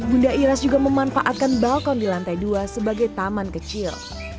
bunda iras juga memanfaatkan balkon di lantai dua sebagai taman kecil